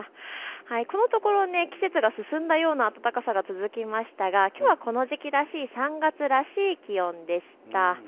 このところ季節が進んだような暖かさが続きましたが、きょうはこの時期らしい３月らしい気温でした。